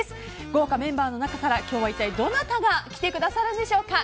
豪華メンバーの中から今日は一体どなたが来てくださるんでしょうか。